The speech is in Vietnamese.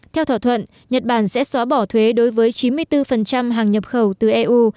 theo thỏa thuận nhật bản sẽ xóa bỏ thuế đối với chín mươi bốn hàng nhập khẩu từ eu